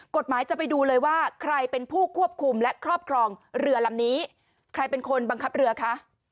กฎหมายจะไปดูเลยว่าใครเป็นผู้ควบคุมและครอบครองเรือลำนี้ใครเป็นคนบังคับเรือคะ